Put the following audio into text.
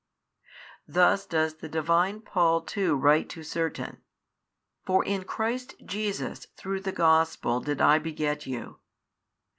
Thus does the Divine Paul too write to certain, for in Christ Jesus through the Gospel did I beget you.